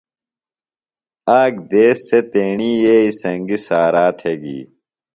آک دیس سےۡ تیݨیۡیئیئۡی سنگیۡ سارا تھےۡ گی۔